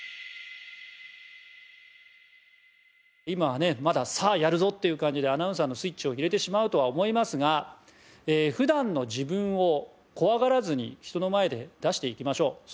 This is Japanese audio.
今はねまだ「さあやるぞ」っていう感じでアナウンサーのスイッチを入れてしまうとは思いますが普段の自分を怖がらずに人の前で出していきましょう。